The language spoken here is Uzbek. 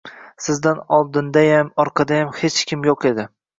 Sizdan oldindayam, orqadayam hech kim yo`q edi